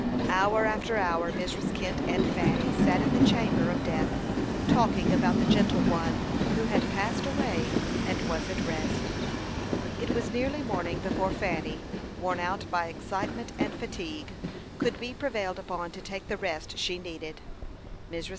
Hour after hour Mrs. Kent and Fanny sat in the chamber of death, talking about the gentle one who had passed away, and was at rest. It was nearly morning before Fanny, worn out by excitement and fatigue, could be prevailed upon to take the rest she needed. Mrs.